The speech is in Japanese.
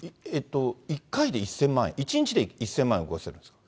１回で１０００万円、１日で１０００万円動かせるんですか？